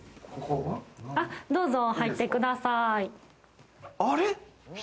どうぞ入ってください。